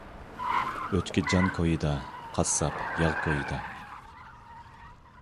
ئۆچكە جان كويىدا، قاسساپ ياغ كويىدا.